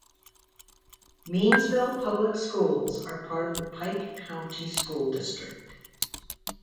Meansville Public Schools are part of the Pike County School District.